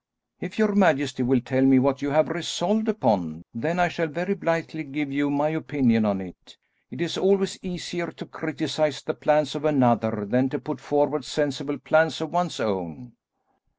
"If your majesty will tell me what you have resolved upon, then I shall very blithely give you my opinion on it. It is always easier to criticise the plans of another than to put forward sensible plans of one's own."